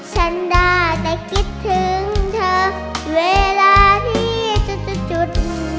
ฉันได้แต่คิดถึงเธอเวลาที่จุด